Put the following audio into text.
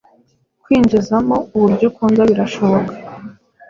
Kwinjizamo uburyo ukunda birahoboka